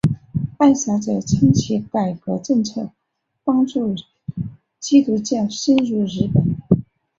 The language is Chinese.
暗杀者称其改革政策帮助基督教渗入日本。